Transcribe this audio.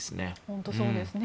本当にそうですね。